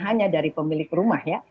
hanya dari pemilik rumah ya